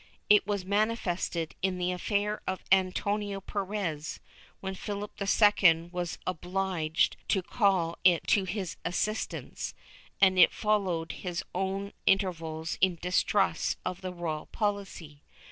It was manifested, in the affair of Antonio Perez, when Philip II was obliged to call it to his assistance, and it followed its own interests in disregard of the royal policy.